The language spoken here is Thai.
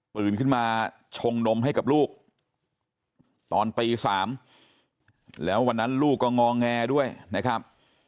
ปืนขึ้นมาชงนมให้กับลูกตอนตี๓แล้ววันนั้นลูกก็งอแงด้วยนะครับ